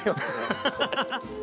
アハハハ！